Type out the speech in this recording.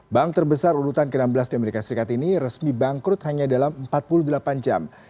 bank terbesar urutan ke enam belas di amerika serikat ini resmi bangkrut hanya dalam empat puluh delapan jam